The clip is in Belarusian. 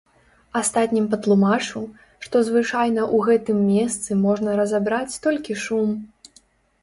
Астатнім патлумачу, што звычайна ў гэтым месцы можна разабраць толькі шум.